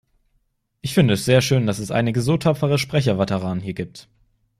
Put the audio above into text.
Ich finde es sehr schön, dass es einige so tapfere Sprecherveteranen hier gibt.